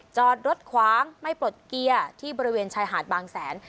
จอดรถขวางไม่ปลดเกียร์ที่บริเวณชายหาดบางแสน